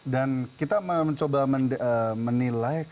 dan kita mencoba menilai